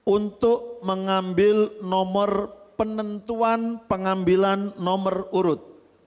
untuk mengambil nomor penentuan pengambilan nomor urut